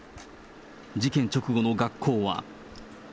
事件直後の学校は。